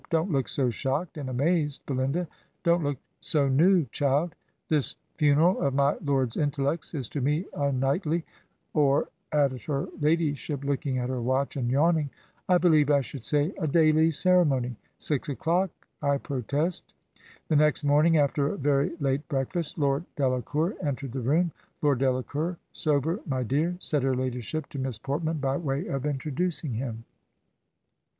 •.. 'Don't look so shocked and amazed, Belinda; don't look so new, child; this funeral of my lord's intellects is to me a nightly, or,' added her ladyship, looking at her watch and yawning, ' I believe I should say, a daily ceremony — ^six o'clock, I protest I' The next morning ,., after a very late breakfast. Lord Delacour entered the room. ' Lord Delacour, sober, my dear,' said her ladyship to Miss Portman, by way of introducing him."